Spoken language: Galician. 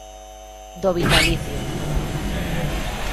Do vitalicio